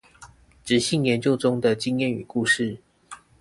質性研究中的經驗與故事